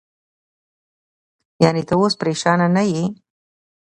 یعنې، ته اوس پرېشانه نه یې؟